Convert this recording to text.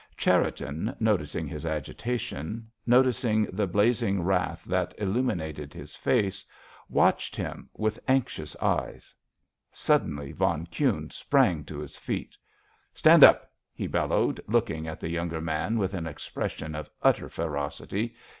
Cherriton, noticing his agitation, noticing the blazing wrath that illuminated his face, watched him with anxious eyes. Suddenly von Kuhne sprang to his feet. "Stand up!" he bellowed, looking at the younger man with an expression of utter ferocity.